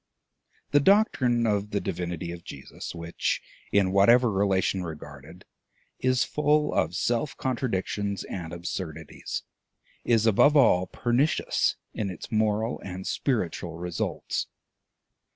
The doctrine of the divinity of Jesus, which, in whatever relation regarded, is full of self contradictions and absurdities, is, above all, pernicious in its moral and spiritual results.